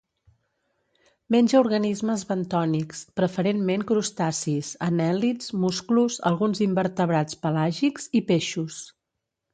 Menja organismes bentònics, preferentment crustacis, anèl·lids, musclos, alguns invertebrats pelàgics i peixos.